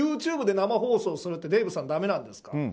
ＹｏｕＴｕｂｅで生放送するってデーブさん、だめなんですか？